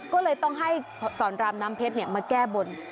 ก็เลยต้องให้สอนรามน้ำเพชรมาแก้บน